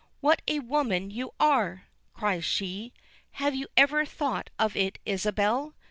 "What a woman you are!" cries she. "Have you ever thought of it, Isabel?